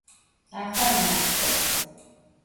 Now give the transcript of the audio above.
Axer matxex.